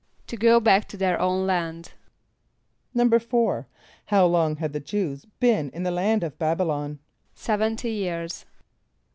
=To go back to their own land.= =4.= How long had the Jew[s+] been in the land of B[)a]b´[)y] lon? =Seventy years.